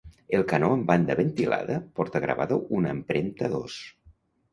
El canó amb banda ventilada porta gravada una empremta d'ós.